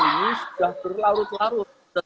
ini sudah berlarut larut